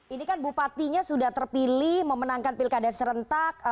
ini kan bupatinya sudah terpilih memenangkan pilkada serentak